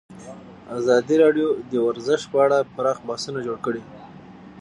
ازادي راډیو د ورزش په اړه پراخ بحثونه جوړ کړي.